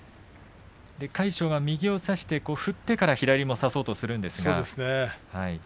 魁勝は右を差して振ってから左を差そうとしましたね。